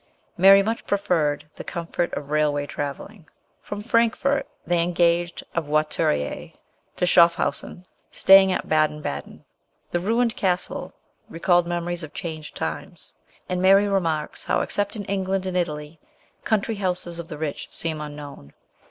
Mary much preferred the comfort of railway travel ling. From Frankfort they engaged a voiturier to Schaffhausen, staying at Baden Baden. The ruined castles recall memories of changed times, and Mary remarks how, except in England and Italy, country houses of the rich seem unknown.